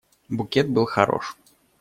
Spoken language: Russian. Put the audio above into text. Букет был хорош.